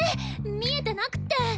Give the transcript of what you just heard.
見えてなくって。